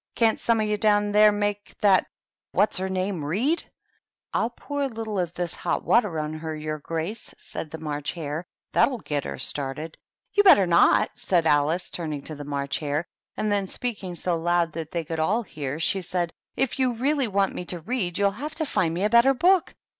" Can't some of you down there make that whaVs her name read?" "I'll pour a little of this hot water on her, your Grace," said the March Hare. "That'll get her started." " You'd better not," said Alice, turning to the March Hare; and then, speaking so loud that they could all hear, she said, —" If you really want me to read, you'll have to find me a better book.